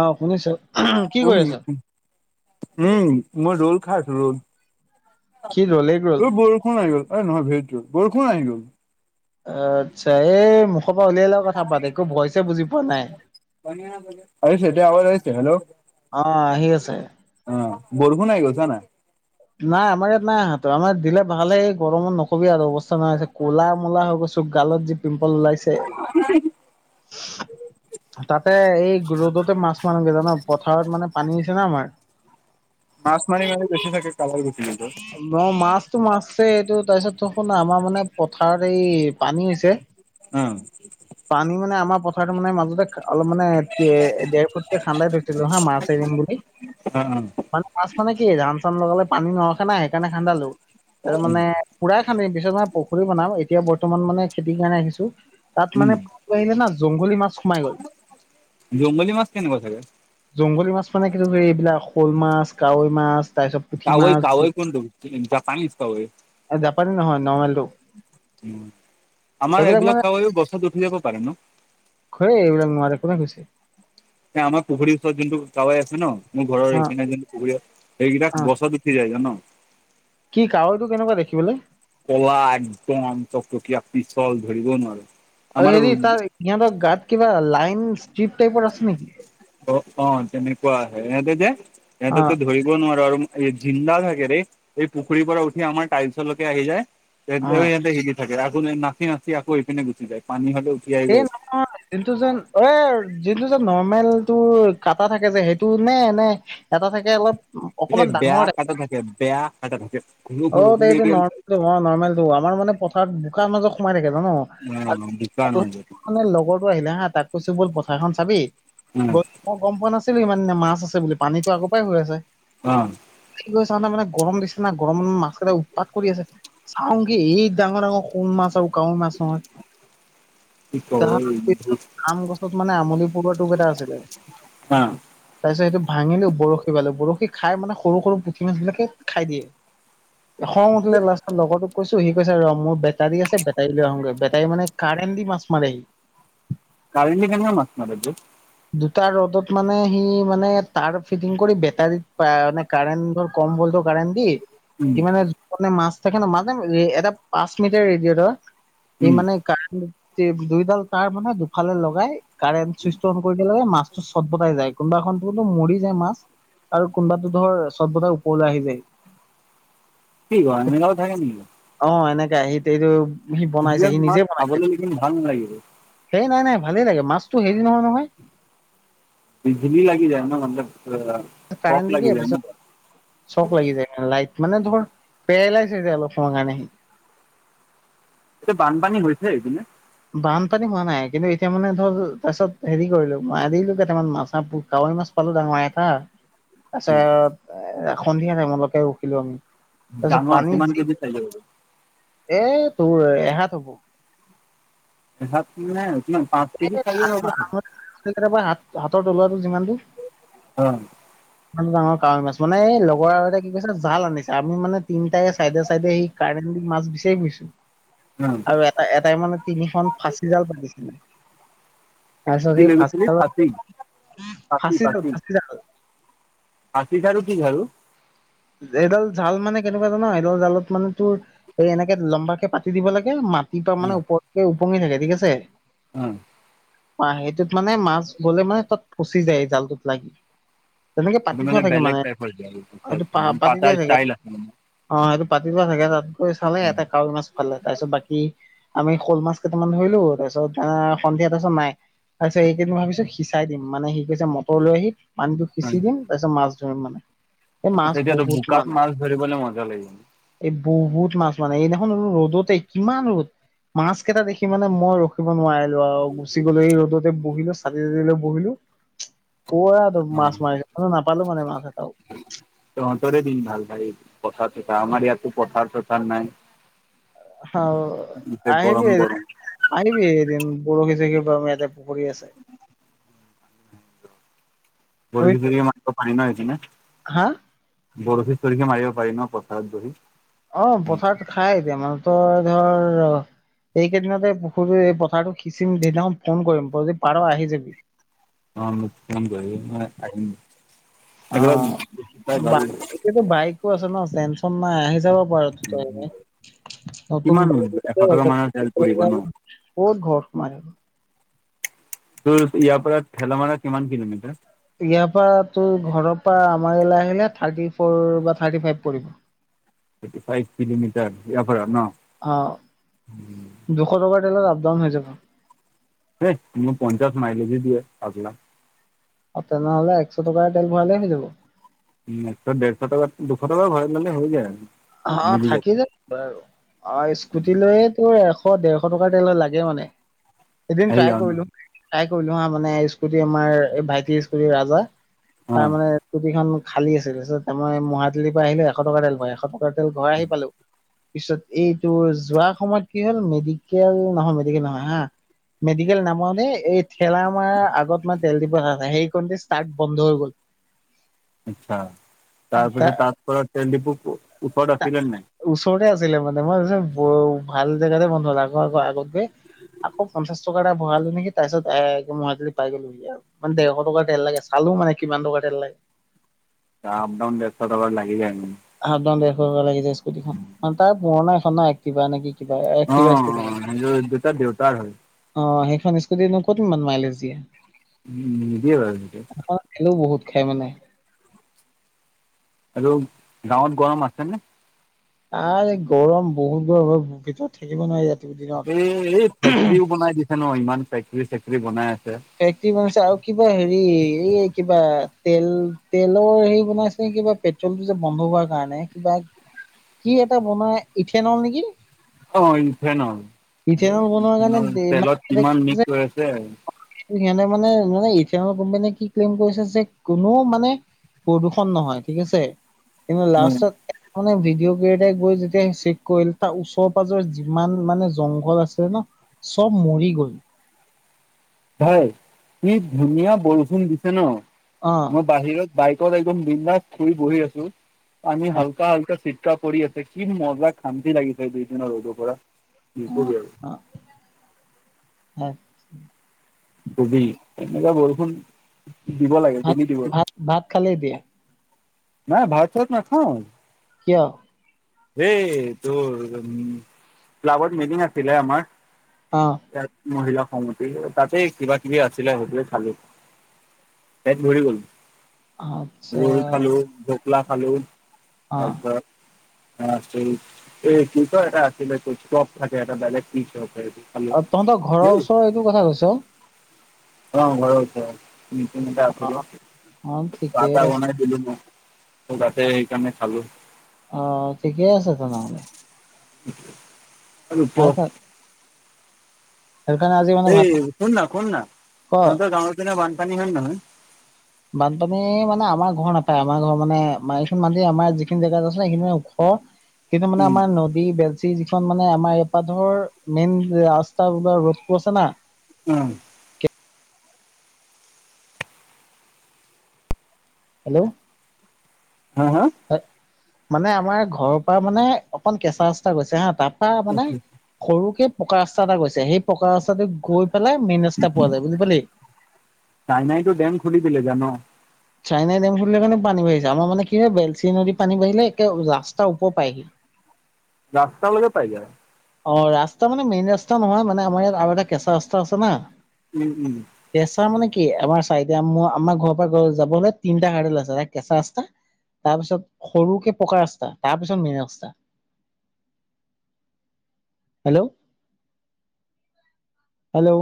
অ শুনিছো কি উম, কৰি আছা? উম মই ৰ'ল খাই আছো ৰ'ল সি ৰলেই ৰল ৰবৰষুণ আসি গ'ল এই নহয় ভেৰিটো বৰষুণ আহি গ'ল আচ্ছা এই মুখৰ পৰা উলিয়াল লেও কথা পাত একো ভইচ বুজি পোৱা নাই আহিছে এতিয়া আৱাজ আহিছে হেল্ল' অ আহি আছে কোন আহি গল চা না নাই আমাৰ ইয়াত নাই আহা আমাৰ দিলে ভাল হে গৰমত নকবি আৰু অৱস্থা নাইছে ক'লা মলা হৈ গৈছে চুক গালত যি পিম্পল ওলাইছে তাতে এই ৰ'দতে মাছ মাছ মৰোগে জানা পথাৰত মানে পানী আছে ন আমাৰ [inaudible] মাছ মাৰি কেনে বেছি থাকে কালাৰ গুচি গ'ল তোৰ। ন মাছতটো মাছছে এইটো তাৰপিছত দেখোন আমাৰ মানে পথাৰত এই পানী হৈছে অ' পানী মানে আমাৰ পথাৰত মানে মাজতে অলপ মানে দেৰ ফুটকে খান্ধাই গৈছিলোঁ হা মাছ এৰিম বুলি অ' মানে মাছ মানে কি ধান চান লগালে পানী নৰখে নাই সেইকাৰণে খান্ধালো ত উম, মানে পুৰা আমি পিছত মে পুখুৰী বনাম এতিয়া বৰ্তমান মানে খেতি কাৰণে ৰাখিছো তাত মানে উম, আহিলে না জংঘলী মাছ সোমাই গল জংগলী মাছ কেনেকুৱা চাগে? জংঘলী মাছ মানে কিছুৰি এইবিলাক শ'ল মাছ কাৱৈ মাছ তাৰিছত কাৱৈ কাৱৈ কোনটো পানীত কাৱৈ জাপানী নহয় নৰ্মেলটো উন আমাৰ এইবিলাক কাৱৈও বছত উঠি যাব পাৰে ন সেই এইবিলাক নোৱাৰাৰে কোনে কৈছে আমাৰ পুখুৰীৰ ওচৰত যোনটো কাৱৈ আছে ন মোৰ ঘৰৰ অ এইখিনি যেন পুখুৰীত অ সেইগিলাক গছত উঠি যায় যে ন কি কাৱৈটো কেনেকুৱা দেখিবলে কলা একদম চকটকীয়া পিছল ধৰিব নোৱাৰো আৰু হেৰি আমাৰ তাৰ সিহঁতৰ গাত কিবা লাইন ষ্টিপ টাইপৰ আছে নেকি অ অ তেনেকুৱা আহে ইহঁতে যে অ সিহঁতক ধৰিব নোৱাৰ ৱাৰ আৰু জিন্দা থাকে ৰে এই পুখুৰীৰ পৰা উঠি আমাৰ ট্ৰাইছলৈকে আহি যায় অ ইহতে হিলি থাকে আগ নাচি নাচি আকৌ এইপিনে গুচি যায় পানী হলে উঠি আহি এই গৈ নহয় যোনটো যেন এ যোনটো যেন নৰ্ম মেল তোৰ কাটা থাকে যে সেইটো নে নে এটা থাকে অলপ এই অকমান বেয়া ডাঙৰ টাইপ কটা থাকে বেয়া কটা থাকে সৰু অ সৰু এইটো ন মিডিয়াম চাইজ নৰ্মেলটো আমাৰ মানে পথাৰত বোকাৰ মাজত সোমাই থাকে ন অ বোকা নহয় মানে লগৰ আহিলে হা তাক কৈছো বল পথাৰখন চাবি গল মই গম পোৱা না আছিল ইমান দিনা মাছ আছে বুলি পানীতো আগৰ পৰাই হৈ আছে অ চাওঁ না মানে গৰম দিছে না গৰমত মানে মাছ এটা উৎপাত কৰি আছে চাওঁগে এই ডাঙৰ ডাঙৰ শোল মছ কাৱৈ মাছ নহয় অ কি মানে আমলি পুৰৰ টোক এটা আছিলে কব অ তাৰপিছত সেইটো ভাঙিলো বৰশী পালো বৰশী খাই মানে সৰু সৰু পুঠি মাছ বিলাকে খাই দিয়ে খং উঠিলে লাষ্টত লগৰ তোক কৈছো সি কৈছে ৰ মোৰ বেটাৰী আছে বেটাৰী লৈ আহোগৈ বেটাৰী মানে কাৰেণ্ট দি মাছ মাৰে হি কাৰেণ্ট দি কেনেকা মাৰে মাছ দুটা ৰ'দত মানে সি মানে তাৰ ফিটিং কৰি বেটাৰীত মানে কাৰেণ্ট ধৰ কম বল ভল্টৰ কাৰেন্ট দি উম সি মানে মাছ থাকে ন মাজ এটা পাঁচ মিটাৰ ৰেদিয়েটৰ সি উম মানে কাৰেণ্ট দুইডাল তাৰ মানে দুফালে লগাই কাৰেণ্ট চুইচ দিলে মাছটো চত পতাই যায় কোনোবা এখন টো মৰি যায় মাছ আৰু কোনবাটো ধৰ চত বটাই ওপৰলৈ আহি যায় কি কোৱা এনেকুৱাও থাকে নি সি এইটো সি বনাইছে সি নিজে মাছ বনাইছে খাবলৈ লেকিন ভাল নালাগিব সেই নাই নাই ভালেই লাগে মাছতটো হেৰি নহয় নহয় বিজলি লাগে ন ম চক লাগী যায় ন তাত চখ লাগি যায় কাৰণে লাইট মানে ধৰ পেৰালাইছ যায় অলপৰ কাৰণে হি এয়া বানপানী হৈছে সেইপিনে বানপানী হোৱা নাই কিন্তু এতিয়া মানে ধৰ তাৰপিছত হেৰি কৰিলো মই আনিলো কেইটামান মাছ হাঁ খুব তাওত কাৱেই মাছ পালো ডাঙৰ এটা তাৰছত এ সন্ধিয়া টাইম লৈকে ৰখিলো আমি তাৰপিছত ডাঙৰ পানী কিমান যি কেজি চাইজৰ হব এ তোৰ এহাত হব এহাত মানে কিমান পাঁচ কেজি কোবা চাইজৰ হ'ব চাগে হাত হাতৰ তলুৱাটো যিমান টো উম ই ডাঙৰ কাৱৈ মাছ মানে এই লগৰ আৰু এটাই কি কছে জাল আনিছে আমি মানে তিনিটাই চাইডে চাইডে সি কাৰেণ্ট মাছ বিচাৰি ফুৰিছো অ আৰু এ এটাই মানে তিনিখন ফাঁচি জাল পাতিছিলে তাৰপিছত কি সেই লৈ ফাঁচি গৈছিলি জালত ফাঁচি ফাঁচিজাল আশি খাৰু কি খাৰু এডাল জাল মানে কেনেকোৱা জান এডাল জালত মানে তোৰ এনেকে লম্বা কে পাতি দিব লাগে মাত ৰাতিপা মানে ওপৰকে উপঙি থাকে ঠিক আছে উম অ সেইটোত মানে মাছ গলে মানে তাত ফচি যায় জালটোত লাগি তেনেকে পাতি সেইটো থোৱা থাকে বেলেগ মানে টাইপৰ ঝাৰু আচ্ছা সেটো আচ্ছা পা মানে পাতি পাতাৰ থোৱাই থাকে ষ্টাইল আছে মানে অ অ সেইটো পাতি লোৱা থাকে তাত গৈ চালে এটা কাৱৈ মাছ ভালে তাৰ পিছত বাকী আমি শ'ল মাছ কেইটামান ধৰিলো তাৰপিছত সন্ধিয়া তাৰপিছত নাই তাৰিছত এটিয়েম হোৱা পিছত সি চাই দিম মানে কৈছে মটৰ লৈ আহি পানীটো সিচি দিম তাৰ পিছত মাছ ধৰিম মানে সেই মাছ এতিয়াতো বহুত বুকাত মানে মাছ ধৰিবলৈ মজা লাগিব এই বহুত মাছ মানে সেইদিনাখন ৰ ৰ'দতে কিমান ৰ'দ মাছ কেইটা দেখি মানে মই ৰখিব নোৱাৰিলো আৰু গুচি গলো এই ৰ'দতে বহিলো চাতি তাতি লৈ বহিলো পোৱা অ মাছ মাৰিলো নাপালো মানে মাছ এটাও তহতে দিন ভাল ভাই পথাৰ আমাৰ ইয়াত পথাৰ চথাৰ নাই অ গোটেই আহিবি গৰম এদিন গৰম আহিবি এদিন বৰশি সৰখি বাম আমি ইয়াতে পুখুৰী আছে বৰশী মাৰিব পাৰি ন সেইপিনে হা বৰশী সৰসী মাৰিব পাৰি ন পথাৰত বহি অ পথাৰত খাই এতিয়া মানে তই ধৰ অ এইকেইদিনতে পুখুৰী এই পথাৰতো সিঁচিম সেইদিনাখন ফোন কৰিম তই যদি পাৰ আহি যাবি অ মোক ফন কৰিবি মই আহিম অ একেবাৰে ভাল বাই এতিয়াওতো বাইকো আছে ন টেনচন নাই আ যাব পাৰ তই নতুন কিমান বাইক ত এশ টকা কত মানৰ তেল পৰিব ন? ঘৰত সোমায় থাক তোৰ ইয়াৰ পৰা ঠেলামাৰা কিমান কিলোমিটাৰ? ইয়াৰ পৰা তোৰ ঘৰৰ পৰা আমাৰ ইয়ালে আহিলে থাৰ্টি ফ'ৰ বা থাৰ্টি ফাইভ পৰিব। থাৰ্টি ফাইভ কিলোমিটাৰ ইয়াৰ পৰা ন? [unintelligible] আপ-ডাউন হৈ যাব। সে মই পঞ্চাছ মাইলজে দিয়ে পাগলা। অ তেনেহলে এক শ টকাৰ তেল ভৰালে হৈ যাব উ একশ দেৰশ টকা দুশ টকা ভৰাই ললে হৈ যায় আৰু অ মিলি যাব থাকি যায় বাৰ অ স্কুটি লৈয়ে তোৰ এ এশ দেৰশ টকাৰ তেল লাগে মানে এদিন আহি ট্ৰাই যাওঁ ন? কৰিলো ট্টাই কৰিলো হা মানে স্কুটি আমাৰ এই ভাইটিৰ স্কুটি ৰাজা তাৰ অ', মানে স্কুটিখন খালী আছিল তাৰ পিছত মই মাহাটলীৰ পৰা আহিলো এশ টকা তেল ভৰাই এশ টকাৰ তেল ভৰাই ঘৰ আহি পালো পিছত এইটো যোৱাৰ সময়ত কি হ'ল মেডিকেল নহয় মেডিকেল নহয় হা মেডিকেল নামাওতে এই ঠেলা মাৰা আগত মানে তেল ডিফু এটা আছে সেই কনতে ষ্টাৰ্ট বন্ধ হৈ গ'ল উ আচ্ছা তাৰপিছত তাৰ পৰা তেল ডিফু ওচৰত তা- আছিলে নাই ওচৰতে আছিলে মানে মই ভাবিছো ব ভাল জেগাতে বন্ধ হল আ আকৌ আগত কৈ আকৌ পঞ্চাশ টকা এটা ভৰালো নেকি তাৰপিছত এ মহাটলী পাই গলোহি মানে দেৰশ টকাৰ তেল লাগে চাল লো মানে কিমান টকা তেল লাগে আপ ডাউন দেৰ শ টকা লাগি যায় উম আপ ডাউন দেৰ শ টকা লাগি যায় স্কুটীখন তাৰ পুৰণা এখন না একটিভা নে কি একটিভা অ', একটিভা স্কুটী কয় অ দুটা দেউতাৰ হয়। সেইখন সেইখন স্কুটিনো কতনো ইমান মাইলেজ দিয়ে উম নিদিয়ে বাৰু এনেকে তেলও বহুত খাই মানে আৰু গাঁৱত গৰম আছে নে? আ গৰম বহুত গৰম, ভিতৰত থাকিব নোৱাৰি ইয়াত। এ এই ফেক্টৰীও বনাই দিছে ন? ইমান ফেক্টৰী চেক্টৰী বনায়। ফেক্টৰী বনাইছে আৰু কিবা হেৰি এই কিবা তেল তেলৰ হেৰি বনাইছে কিবা পেট্ৰলটো যে বন্ধ হোৱাৰ কাৰণে কিবা কি এটা বনাই ইথেনল নেকি? অ, ইফেনৰ ইথেনল বনোৱাৰ কাৰণে ইফেনৰ দে তেলত মানে কিমান যে মিক্স হৈ আছে। সিহঁতে মানে মানে ইথেনল কোম্পানীয়ে কি ক্লেইম কৰি থৈছে কোনো মানে প্ৰদূষণ নহয় ঠিক আছে। কিন্ত উম লাষ্টত মানে ভিডিঅ' ক্ৰীয়েটৰ গৈ যেতিয়া চেক কৰিল, তাৰ ওচৰ পাজৰ যিমান মানে জংঘল আছে ন চব মৰি গল। ভাই কি ধুনীয়া বৰষুণ দিছে ন অ মই বাহিৰত বাইকত একদম বিন্দাছ শুই, বহি আছো। আমি অ হাল্কা হাল্কা চিটকা পৰি আছে কি মজা শান্তি লাগিছে দুইদিনৰ ৰ'দৰ পৰা। কি কৰি [unintelligible] অ [unintelligible] ওবি এনেকোৱা বৰষুণ। দিব লাগে, ভাত ডিঙি দিব ভাত লাগে। ভাত খালে দিয়া নাই ভাত-চাত নাখাওঁ। কিয়? এ তোৰ উ ক্লাবত মিটিং আছিলে আমাৰ। ইয়াত মহিলা [unintelligible] তাতে কিবা কিবি আছিলে, সেইবোৰে খালো। পেট ভৰি গল। আচ্ছা ৰোল খালো, ঢকলা খালো, অ তাৰ পিছত এই কি এটা আছিল চপ থাকে এটা বেলেগ কি চ [unintelligible] অ, তহঁতৰ ঘৰৰ ওচৰৰ এইটো কথা কৈছ? অ ঘৰ ওচৰ অ আছিলে অ তাৰ ঠিকে পৰা আছে বনাইছিলো ন ত তাতে সেইকাৰণে খালো। আহ ঠিকেই আছে তেনেহ'লে। আ খাই ৰূপ। থাক সেইকাৰণে আজি মানে ভাত এই শুননা শুননা ক তহতৰ গাঁঙৰ পিনে বানপানী হয় নহয়। বানপানী মানে আমাৰ ঘৰ নাপায় আমাৰ ঘৰৰ মানে এইোন মানুহে আমাৰ যিখিনি জেগাত আছিলে সেইখিনি। কিন্তু মানে উম আমাৰ নদী বেলচি যিখন মানে আমাৰ ইয়াপা ধৰ মেইন ৰাস্তা বা ৰ'দটো আছে না। উম। হেল্ল' হা হা? মানে আমাৰ ঘৰৰ পৰা মানে অকন কেঁচা ৰাস্তা গৈছে হা। তাৰ পৰা মানে সৰুকে পকা ৰাস্তা এটা গৈছে। সেই পকা ৰাস্তাটো গৈ পেলাই মেইন ৰাস্তা পোৱা যায়, বুজি পালি? চাইনাইটো ডেম খুলি দিলে জান'? চাইনাই ডেম খুলিলে কাৰণে পানী বাঢ়িছে। আমাৰ মানে কি হয় বেলচি নদীত পানী বাঢ়িলে একে ৰাস্তা ওপৰ পায়হি। [inaudible] ৰাস্তালৈকে পাই যায়। অ, ৰাস্তা মানে মেইন ৰাস্তা নহয়। মানে আমাৰ ইয়াত আৰু এটা কেঁচা ৰাস্তা আছে না। উম, উম। কেঁচা মানে কি আমাৰ [unintelligible] আমাৰ ঘৰৰ পৰা যাবলে তিনটা [unintelligible] আছে। এটা কেঁচা ৰাস্তা তাৰ পিছত সৰুকে পকা ৰাস্তা, তাৰপিছত মেইন ৰাস্তা। Hello hello